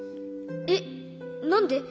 えっなんで？